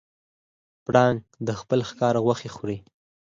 پړانګ د خپل ښکار غوښې خوري.